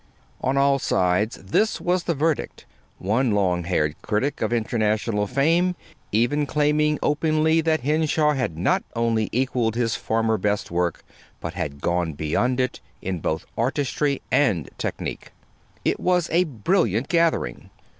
On all sides this was the verdict, one long haired critic of international fame even claiming openly that Henshaw had not only equaled his former best work, but had gone beyond it, in both artistry and technique. It was a brilliant gathering.